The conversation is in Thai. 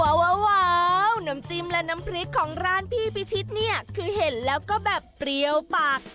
ว้าวน้ำจิ้มและน้ำพริกของร้านพี่พิชิตเนี่ยคือเห็นแล้วก็แบบเปรี้ยวปาก